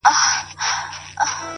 • دلته ولور گټمه ـ